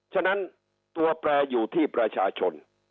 ฉะนั้นตัวแปรอยู่ที่ประชาชน